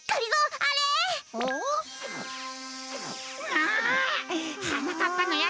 なあはなかっぱのやつ